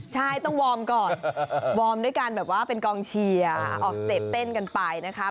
ใช่ต้องวอร์มก่อนวอร์มด้วยการแบบว่าเป็นกองเชียร์ออกสเต็ปเต้นกันไปนะคะ